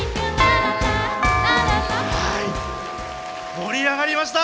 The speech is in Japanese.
盛り上がりました。